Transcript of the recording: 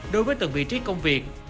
đối với từng vị trí công việc